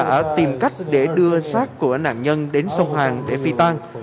đã tìm cách để đưa xác của nạn nhân đến sông hàn để phi tan